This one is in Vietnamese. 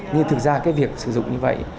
nhưng thực ra cái việc sử dụng như vậy